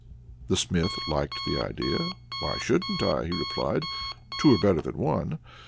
The Smith liked the idea. "Why shouldn't I?" he replied. "Two are better than one."